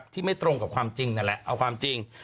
ที่ไม่ตรงกับความจริงนั่นแหละเอาความจริง